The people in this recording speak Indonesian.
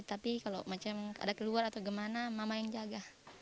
tapi kalau ada keluar atau kemana mama yang jaga